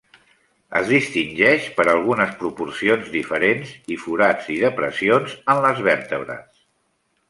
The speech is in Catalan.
Es distingeix per algunes proporcions diferents i forats i depressions en les vèrtebres.